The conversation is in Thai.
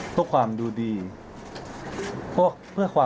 พร้อมแล้วเลยค่ะ